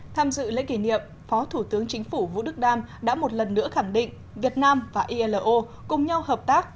tham dự lễ kỷ niệm phó thủ tướng chính phủ vũ đức đam đã một lần nữa khẳng định việt nam và ilo cùng nhau hợp tác